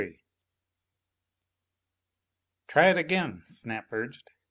XXIII "Try it again," Snap urged.